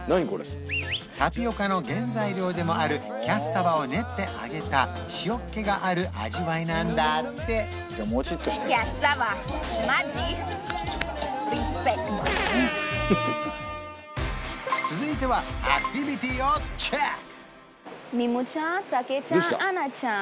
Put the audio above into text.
タピオカの原材料でもあるキャッサバを練って揚げた塩っ気がある味わいなんだって続いてはアクティビティをチェック！